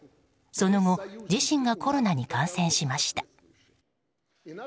その後、自身がコロナに感染しました。